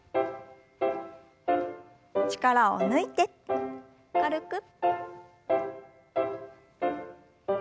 力を抜いて軽く。